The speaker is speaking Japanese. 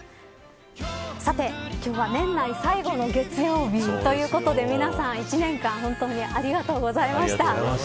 さて、今日は年内最後の月曜日ということで皆さん、１年間本当にありがとうございました。